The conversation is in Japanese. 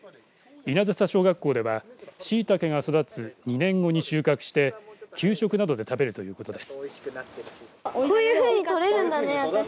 稲梓小学校ではしいたけが育つ２年後に収穫して給食などで食べるということです。